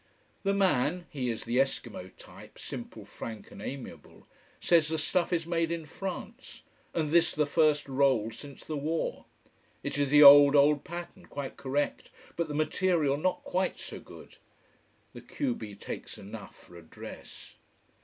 The man he is the esquimo type, simple, frank and aimiable says the stuff is made in France, and this the first roll since the war. It is the old, old pattern, quite correct but the material not quite so good. The q b takes enough for a dress.